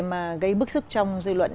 mà gây bức sức trong dư luận